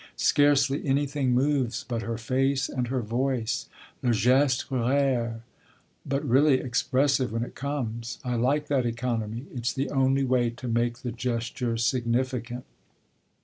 Scarcely anything moves but her face and her voice. Le geste rare, but really expressive when it comes. I like that economy; it's the only way to make the gesture significant."